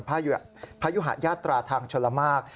พระหยวะญาตราทางชลมาก